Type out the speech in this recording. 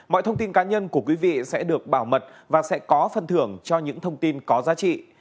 mọi thông tin cá nhân của quý vị sẽ được bảo mật và sẽ có phần thưởng cho những thông tin có giá trị